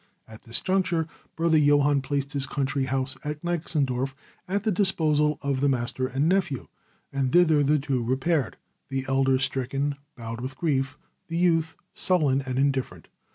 At this juncture brother Johann placed his country house at Gneixendorf at the disposal of the master and nephew, and thither the two repaired, the elder, stricken, bowed with grief; the youth, sullen and indifferent.